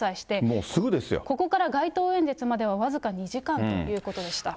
ここから街頭演説までは、僅か２時間ということでした。